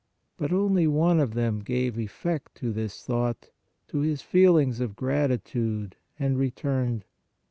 But only one of them gave effect to this thought, to his feelings of gratitude, and returned.